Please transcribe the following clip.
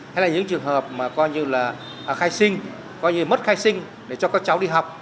hay là những trường hợp mà coi như là khai sinh coi như mất khai sinh để cho các cháu đi học